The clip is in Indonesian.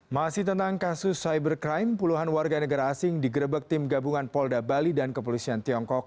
masih tentang kasus cybercrime puluhan warga negara asing digerebek tim gabungan polda bali dan kepolisian tiongkok